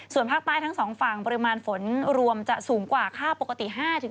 ส่วนภาคใต้ทั้งสองฝั่งปริมาณฝนรวมจะสูงกว่าค่าปกติ๕๕